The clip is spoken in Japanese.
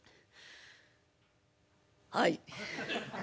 はい。